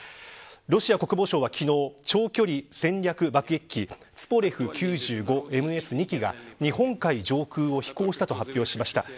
ロシア国防省は昨日ツポレフ９５ＭＳ２機が日本海上空を飛行したと発表しました。